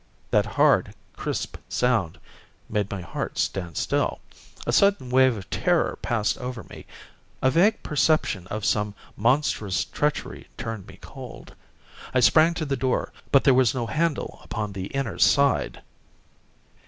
That hard crisp sound made my heart stand still. A sudden wave of terror passed over me. A vague perception of some monstrous treachery turned me cold. I sprang to the door, but there was no handle upon the inner side.